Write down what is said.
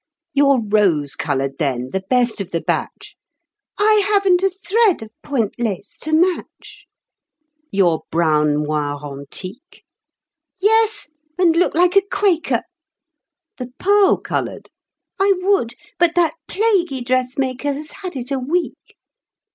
"Your rose colored, then, the best of the batch" "I haven't a thread of point lace to match." "Your brown moire antique" "Yes, and look like a Quaker." "The pearl colored" "I would, but that plaguy dressmaker Has had it a week."